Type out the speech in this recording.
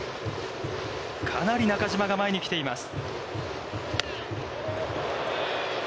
かなり中島が前に来ています。